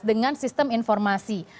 dengan sistem informasi